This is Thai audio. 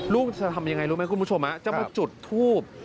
ลูกจะทำยังไงรู้ไหมคุณผู้ชมจะมาจุดทูบ